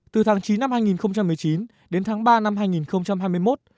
từ tháng chín năm hai nghìn một mươi chín đến tháng ba năm hai nghìn hai mươi một